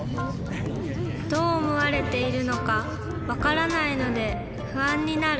どうおもわれているのかわからないのでふあんになる。